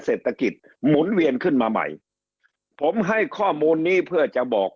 เศรษฐกิจหมุนเวียนขึ้นมาใหม่ผมให้ข้อมูลนี้เพื่อจะบอก